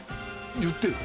言ってよ。